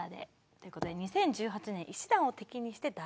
という事で「２０１８年医師団を敵にして大炎上！」。